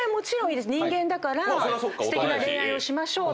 人間だからすてきな恋愛をしましょうって。